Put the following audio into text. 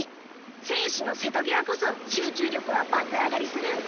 生死の瀬戸際こそ集中力は爆上がりする。